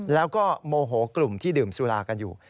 แล้วก็โมโหกลุ่มที่ดื่มสุรากันอยู่